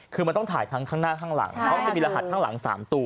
คือมันต้องถ่ายทั้งข้างหน้าข้างหลังเพราะมันจะมีรหัสข้างหลัง๓ตัว